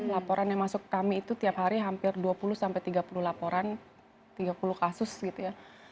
laporan yang masuk kami itu tiap hari hampir dua puluh sampai tiga puluh laporan tiga puluh kasus gitu ya